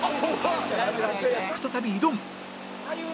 再び挑む